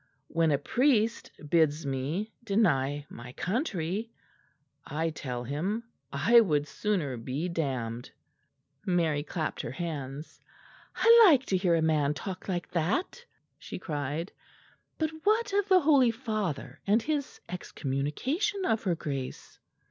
When a priest bids me deny my country, I tell him I would sooner be damned." Mary clapped her hands. "I like to hear a man talk like that," she cried. "But what of the Holy Father and his excommunication of her Grace?"